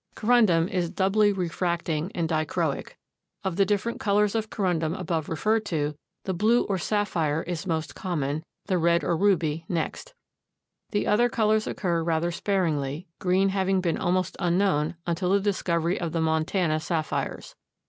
Corundum is doubly refracting and dichroic. Of the different colors of Corundum above referred to, the blue or sapphire is most common, the red or ruby next. The other colors occur rather sparingly, green having been almost unknown until the discovery of the Montana sapphires.